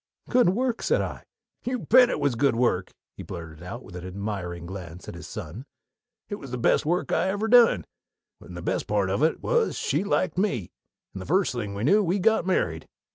"Good work!" said I. "You bet it was good work!" he blurted out, with an admiring glance at his son. "It was the best work I ever done, and the best part of it was she liked me, and the first thing we knew we got married.